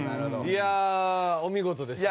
いやあお見事でしたね。